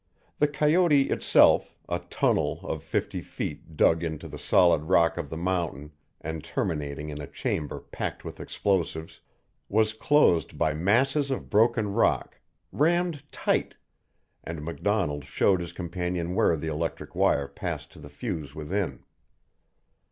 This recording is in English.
The coyote itself a tunnel of fifty feet dug into the solid rock of the mountain and terminating in a chamber packed with explosives was closed by masses of broken rock, rammed tight, and MacDonald showed his companion where the electric wire passed to the fuse within.